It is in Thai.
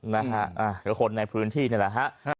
นะฮะก็คนในพื้นที่นี่แหละฮะ